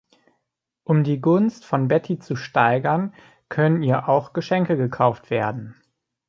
Um die Gunst von Betty zu steigern, können ihr auch Geschenke gekauft werden.